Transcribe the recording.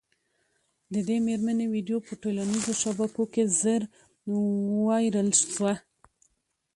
د دې مېرمني ویډیو په ټولنیزو شبکو کي ژر وایرل سوه